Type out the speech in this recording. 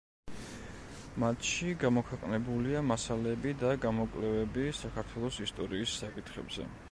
მათში გამოქვეყნებულია მასალები და გამოკვლევები საქართველოს ისტორიის საკითხებზე.